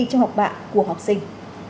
cho học sinh